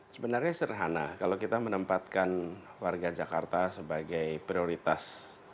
sebenarnya sederhana kalau kita menempatkan warga jakarta sebagai prioritas